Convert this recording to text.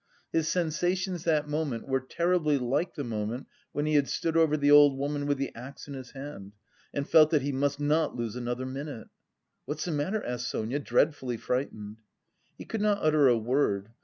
His sensations that moment were terribly like the moment when he had stood over the old woman with the axe in his hand and felt that "he must not lose another minute." "What's the matter?" asked Sonia, dreadfully frightened. He could not utter a word.